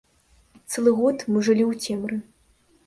Цэлы год мы жылі ў цемры.